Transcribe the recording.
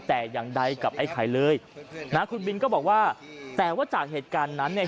แต่อย่างใดกับไอ้ไข่เลยนะคุณบินก็บอกว่าแต่ว่าจากเหตุการณ์นั้นเนี่ย